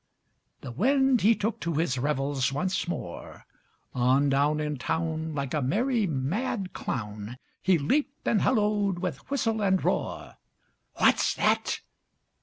The Wind he took to his revels once more; On down, In town, Like a merryŌĆömad clown, He leaped and halloed with whistle and roar ŌĆö "What's that?"